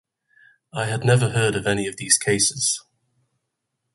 I had never heard of any of these cases.